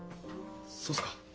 そうすか。